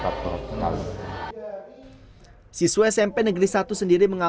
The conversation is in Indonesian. dan bisa ngobrol sama teman lagi ketemu